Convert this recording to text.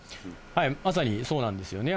まさにそうなんですよね。